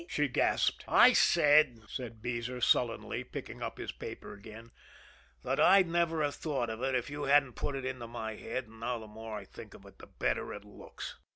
she gasped. "I said," said Beezer sullenly, picking up his paper again, "that I'd never have thought of it, if you hadn't put it into my head; and now the more I think of it, the better it looks."